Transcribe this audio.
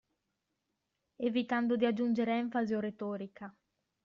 Evitando di aggiungere enfasi o retorica.